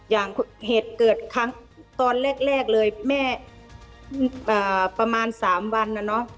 อย่างเหตุเกิดครั้งตอนแรกเลยแม่ประมาณ๓วันนะเนอะ